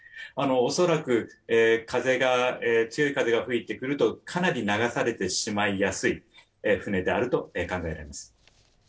恐らく強い風が吹いてくるとかなり流されてしまいやすい船であると考えます。